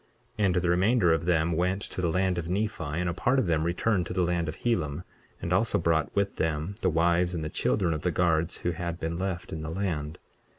23:38 And the remainder of them went to the land of Nephi; and a part of them returned to the land of Helam, and also brought with them the wives and the children of the guards who had been left in the land.